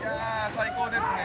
最高ですね。